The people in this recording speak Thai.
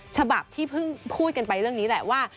ฉบับที่เพิ่งพูดกันไปเรื่องนี้แหละว่า